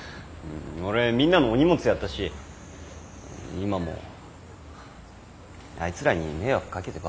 俺みんなのお荷物やったし今もあいつらに迷惑かけてばっかで。